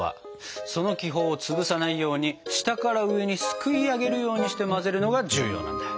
その気泡を潰さないように下から上にすくいあげるようにして混ぜるのが重要なんだ。